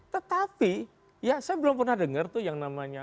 tetapi ya saya belum pernah dengar tuh yang namanya